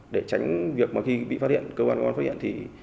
để tránh việc mà khi bị phát hiện cơ quan công an phát hiện thì